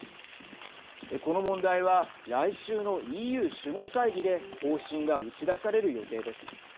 この問題は来週のＥＵ首脳会議で方針が打ち出される予定です。